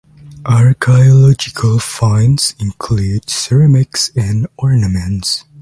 Archaeological finds include ceramics and ornaments.